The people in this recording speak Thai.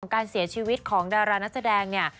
การเสียชีวิตของดารานักแสดงเนี่ย